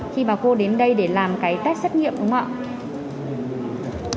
khi bà cô đến đây để làm cái test xét nghiệm đúng không ạ